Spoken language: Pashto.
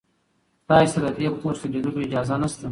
تاسي ته د دې پوسټ د لیدو اجازه نشته.